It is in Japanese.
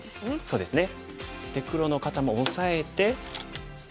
そうですね。